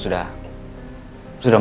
lo udah tahu